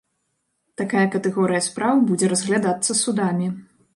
Такая катэгорыя спраў будзе разглядацца судамі.